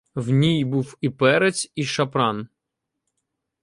В ній був і перець, і шапран.